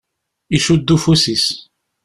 Icudd ufus-is.